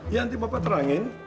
ya nanti bapak terangkan